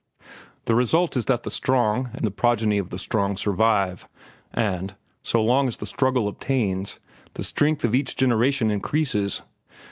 The result is that the strong and the progeny of the strong survive, and, so long as the struggle obtains, the strength of each generation increases.